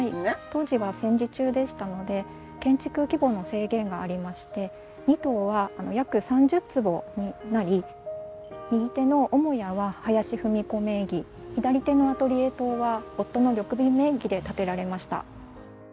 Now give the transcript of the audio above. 当時は戦時中でしたので建築規模の制限がありまして２棟は約３０坪になり右手の母屋は林芙美子名義左手のアトリエ棟は夫の緑敏名義で建てられました。